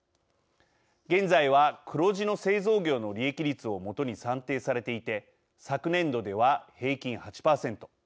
現在は、黒字の製造業の利益率を基に算定されていて昨年度では平均８％。